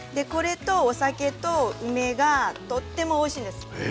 お酒と梅がとてもおいしいんです。